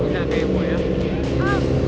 om dudung kayaknya nelpon nih